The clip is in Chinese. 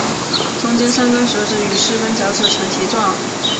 中间三跟手指与四个脚趾呈蹄状。